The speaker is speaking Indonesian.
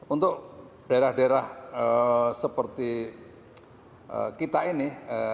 untuk daerah daerah seperti kita ini